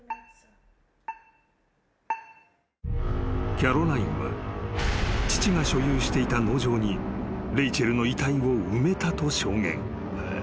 ［キャロラインは父が所有していた農場にレイチェルの遺体を埋めたと証言］